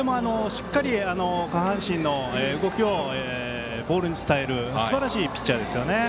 しっかり下半身の動きをボールに伝えるすばらしいピッチャーですよね。